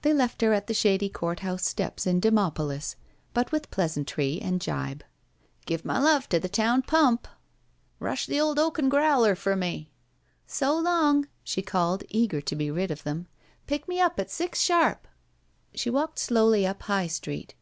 They left her at the shady court house steps in DemopoUs, but with pleasantry and gibe. "Give my love to the town pump." 8i BACK PAY it << 44 Rush the old oaken growler for me." So long!" she called, eager to be rid of them. Pick me up at six sharp." She walked slowly up High Street.